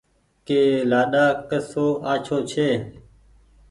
ڪه لآڏآ ڪسو آڇو ڇي